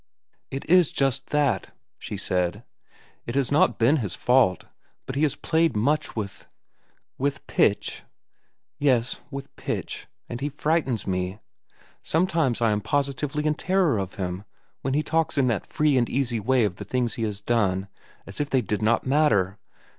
"It is just that," she said. "It has not been his fault, but he has played much with—" "With pitch?" "Yes, with pitch. And he frightens me. Sometimes I am positively in terror of him, when he talks in that free and easy way of the things he has done—as if they did not matter.